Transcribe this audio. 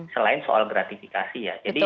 selain soal gratifikasi ya